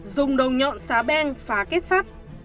dùng đầu nhọn xá beng phá kết sắt